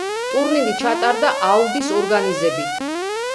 ტურნირი ჩატარდა აუდის ორგანიზებით.